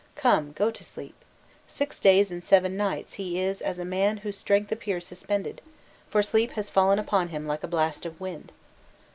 Come, go to sleep!' Six days and seven nights he is as a man whose strength appears suspended, for sleep has fallen upon him like a blast of wind.